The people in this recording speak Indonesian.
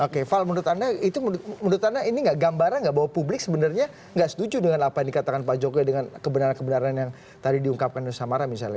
oke fall menurut anda itu menurut anda ini nggak gambaran nggak bahwa publik sebenarnya nggak setuju dengan apa yang dikatakan pak jokowi dengan kebenaran kebenaran yang tadi diungkapkan samara misalnya